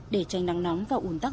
để trành nắng nóng và ủn tắc